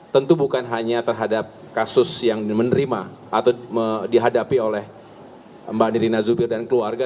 tentu bukan hanya terhadap kasus yang menerima atau dihadapi oleh mbak nirina zubir dan keluarga